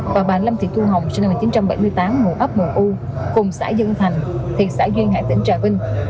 và bà lâm thị thu hồng sinh năm một nghìn chín trăm bảy mươi tám ngụ ấp mường u cùng xã dân thành thị xã duyên hải tỉnh trà vinh